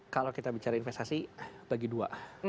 kalau kita bicara investasi bagi dua